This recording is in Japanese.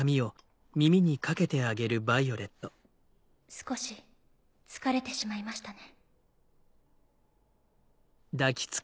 少し疲れてしまいましたね。